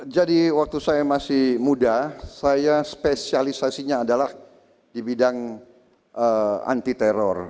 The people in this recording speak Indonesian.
jadi waktu saya masih muda saya spesialisasinya adalah di bidang anti teror